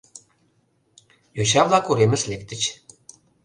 Йоча-влак уремыш лектыч.